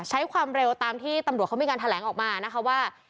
ใช้ความเร็วตามที่ตำรวจเขามีการแถลงออกมานะคะว่า